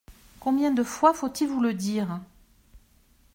Combien de fois faut-il vous le dire ?